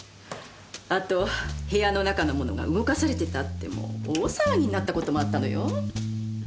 あと部屋の中の物が動かされてたってもう大騒ぎになった事もあったのよ。